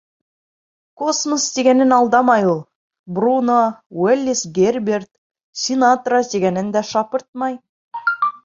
Космос тигәнен алдамай ул. Бруно, Уэллис Герберт, Синатра тигәнен дә шапыртмай.